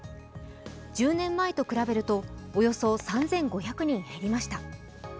１０年前と比べるとおよそ３５００人減りました。